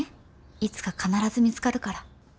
いつか必ず見つかるから。